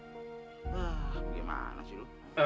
hah gimana sih lu